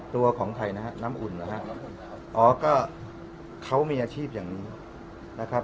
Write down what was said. ตัวของใครนะฮะน้ำอุ่นนะฮะอ๋อก็เขามีอาชีพอย่างนี้นะครับ